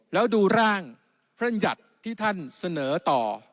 แล้วดูร่างพรรณหยัดที่ท่านเสนอต่อ